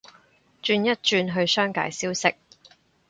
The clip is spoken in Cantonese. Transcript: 轉一轉去商界消息